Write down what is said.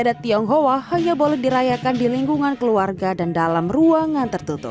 diangkat menjadi pemirsa yang menjadi nama perdagangan dengan cara uni